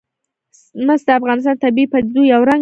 مس د افغانستان د طبیعي پدیدو یو رنګ دی.